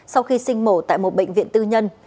sau khi sinh mổ tại một bệnh viện tư nhân